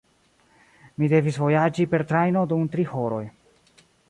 Mi devis vojaĝi per trajno dum tri horoj.